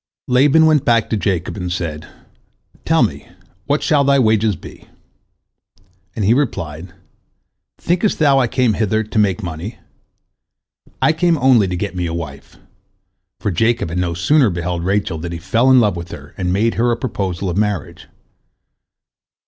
Laban went back to Jacob, and said, "Tell me, what shall thy wages be?" and he replied, "Thinkest thou I came hither to make money? I came only to get me a wife," for Jacob had no sooner beheld Rachel than he fell in love with her and made her a proposal of marriage.